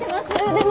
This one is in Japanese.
でも。